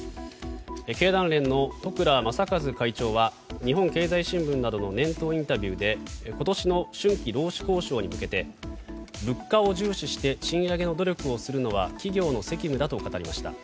経団連の十倉雅和会長は日本経済新聞などの年頭インタビューで今年の春季労使交渉に向けて物価を重視して賃上げの努力をするのは企業の責務だと語りました。